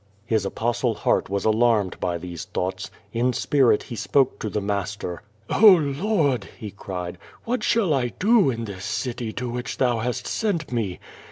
His Apostle heart was alarmed by these thoughts. In spirit he spoke to the blaster. 0h, Lord!" he cried, "what shall I do in this city to which thou hast sent me?